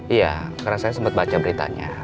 iya karena saya sempat baca beritanya